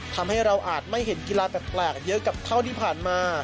ทำให้เราอาจไม่เห็นกีฬาแปลกเยอะกับเท่าที่ผ่านมา